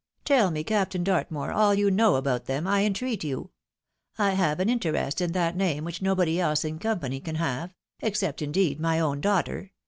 "Tell me, Captain Dartmore, aU you know about them, I entreat you. I have an interest in that name which nobody else in company can have —except, indeed, my own daughter.